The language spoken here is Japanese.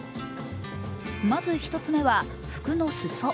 まず１つ目は服の裾。